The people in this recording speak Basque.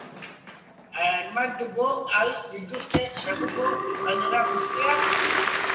Asmatuko al dituzte zakuko galdera guztiak?